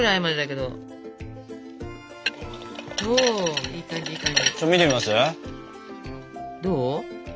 どう？